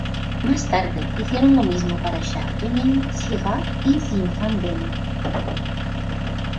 Más tarde, hicieron lo mismo para Chardonnay, Syrah, y Zinfandel.